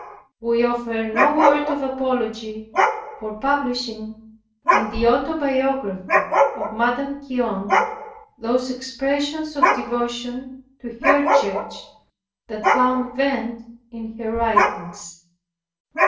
We offer no word of apology for publishing in the Autobiography of Madame Guyon, those expressions of devotion to her church, that found vent in her writings.